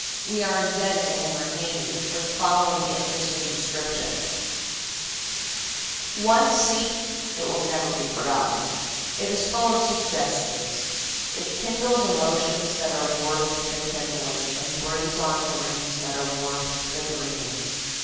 We are indebted to Henry Haynie for the following interesting description: "Once seen, it will never be forgotten. It is full of suggestions. It kindles emotions that are worth the kindling, and brings on dreams that are worth the dreaming.